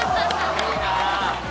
いいな！